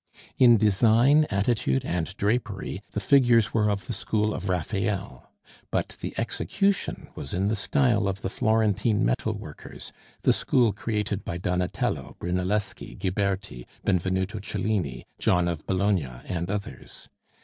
In design, attitude, and drapery the figures were of the school of Raphael; but the execution was in the style of the Florentine metal workers the school created by Donatello, Brunelleschi, Ghiberti, Benvenuto Cellini, John of Bologna, and others.